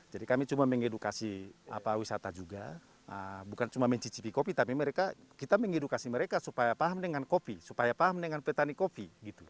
jadi kami cuma mengedukasi wisata juga bukan cuma mencicipi kopi tapi kita mengedukasi mereka supaya paham dengan kopi supaya paham dengan petani kopi